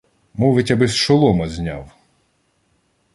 — Мовить, аби-с шолома зняв.